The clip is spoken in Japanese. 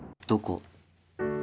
どこ？